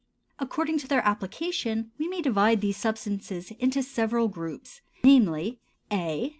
According to their application we may divide these substances into several groups, namely: A.